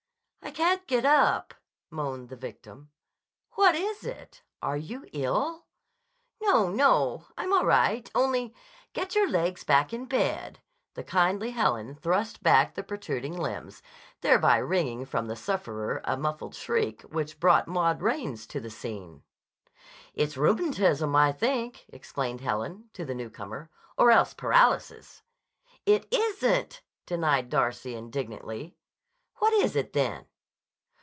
"I can't get up" moaned the victim. "What is it? Are you ill?" "No! No! I'm all right. Only—" "Get your legs back in bed." The kindly Helen thrust back the protruding limbs, thereby wringing from the sufferer a muffled shriek which brought Maud Raines to the scene. "It's rheumatism, I think," explained Helen to the newcomer. "Or else paralysis." "It isn't," denied Darcy indignantly. "What is it, then?"